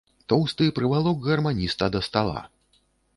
Тоўсты прывалок гарманіста да стала.